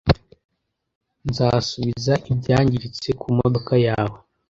Nzasubiza ibyangiritse ku modoka yawe